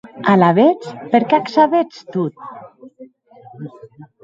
Alavetz, per qué ac sabetz tot?